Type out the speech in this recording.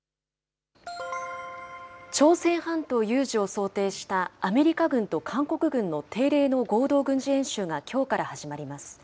朝鮮半島有事を想定したアメリカ軍と韓国軍の定例の合同軍事演習がきょうから始まります。